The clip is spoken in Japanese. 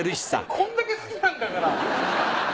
こんだけ好きなんだから。